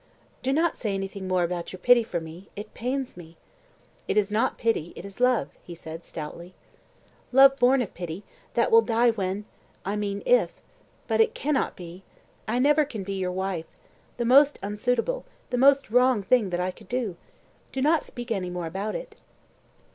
"Do not say anything more about your pity for me; it pains me." "It is not pity; it is love," said he, stoutly. "Love born of pity; that will die when I mean if but it cannot be; I never can be your wife the most unsuitable, the most wrong thing that I could do. Do not speak any more about it."